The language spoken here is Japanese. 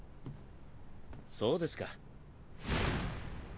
そうですか。